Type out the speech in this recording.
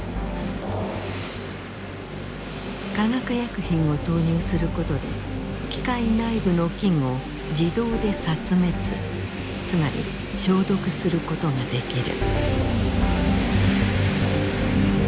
化学薬品を投入することで機械内部の菌を自動で殺滅つまり消毒することができる。